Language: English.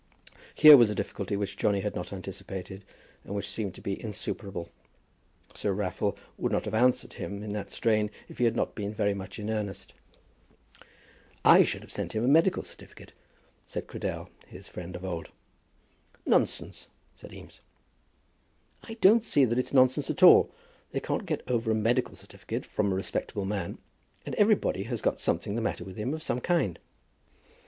Here was a difficulty which Johnny had not anticipated, and which seemed to be insuperable. Sir Raffle would not have answered him in that strain if he had not been very much in earnest. "I should send him a medical certificate," said Cradell, his friend of old. "Nonsense," said Eames. "I don't see that it's nonsense at all. They can't get over a medical certificate from a respectable man; and everybody has got something the matter with him of some kind."